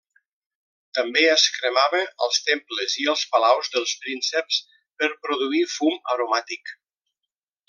També es cremava als temples i els palaus dels prínceps per produir fum aromàtic.